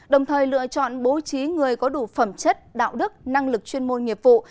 đồng thời lựa chọn bố trí người có đủ phẩm chất đạo đức năng lực chuyên môn nghiệp vụ